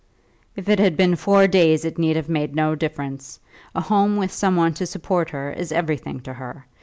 "If it had been four days it need have made no difference. A home, with some one to support her, is everything to her.